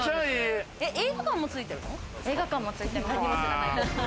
映画館もついてるの？